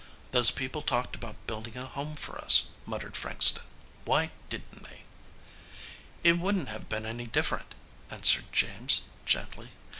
"Those people talked about building a home for us," muttered Frankston. "Why didn't they?" "It wouldn't have been any different," answered James gently.